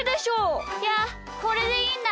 いやこれでいいんだ。